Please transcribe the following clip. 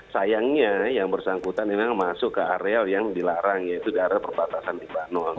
sayangnya yang bersangkutan memang masuk ke areal yang dilarang yaitu daerah perbatasan libanon